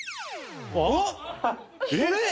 あっ！